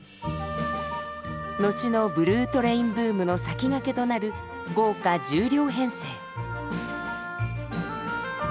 後のブルートレインブームの先駆けとなる豪華１０両編成。